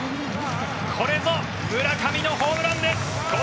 これぞ村上のホームランです。